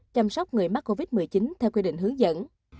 chăm sóc người mắc covid một mươi chín theo quy định hướng dẫn